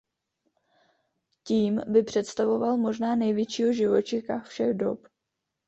Tím by představoval možná největšího živočicha všech dob.